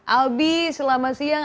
albi selamat siang